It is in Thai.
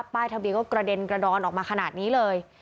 ป้ายทะเบียนก็กระเด็นกระดอนออกมาขนาดนี้เลย